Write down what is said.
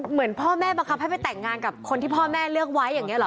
เหมือนพ่อแม่บังคับให้ไปแต่งงานกับคนที่พ่อแม่เลือกไว้อย่างนี้หรอ